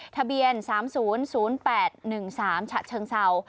ทะเบียน๓๐๐๘๑๓ฉะเชิงเศร้า